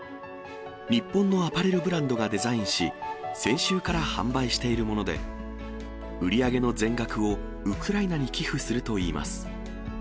日本のアパレルブランドがデザインし、先週から販売しているもので、売り上げの全額をウクライナに寄付するといいます。